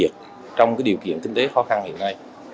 trong điều kiện kinh tế khó khăn hiện nay